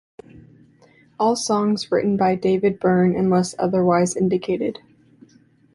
All songs written by David Byrne unless otherwise indicated.